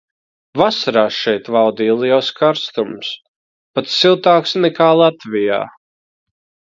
Vasarās šeit valdīja liels karstums, pat siltāks kā Latvijā.